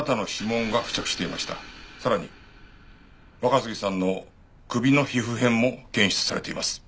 さらに若杉さんの首の皮膚片も検出されています。